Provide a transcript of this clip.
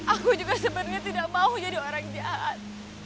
aku juga sebenarnya tidak mau jadi orang jahat